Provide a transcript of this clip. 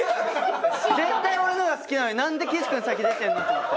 絶対俺の方が好きなのになんで岸君先出てんのと思って。